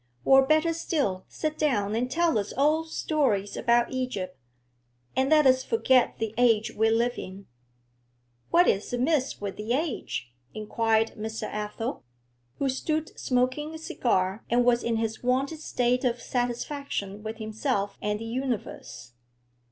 Or, better still, sit down and tell us old stories about Egypt, and let us forget the age we live in.' 'What is amiss with the age?' inquired Mr. Athel, who stood smoking a cigar and was in his wonted state of satisfaction with himself and the universe.